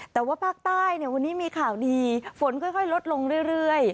แต่ว่าภาคใต้วันนี้มีข่าวดีฝนค่อยลดลงเรื่อย